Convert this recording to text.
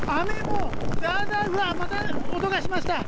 また雷の音がしました。